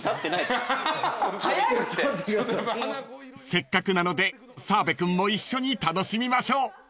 ［せっかくなので澤部君も一緒に楽しみましょう］